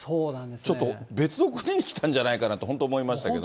ちょっと別の国に来たんじゃないかなと本当、思いましたけど。